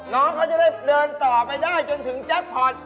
น้องเขาจะได้เดินต่อไปได้จนถึงแจ็คพอร์ต